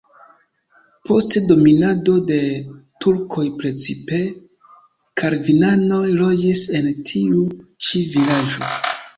Post dominado de turkoj precipe kalvinanoj loĝis en tiu ĉi vilaĝo.